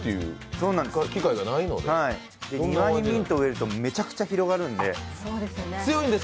庭にミントを植えるとめちゃくちゃ広がるんで。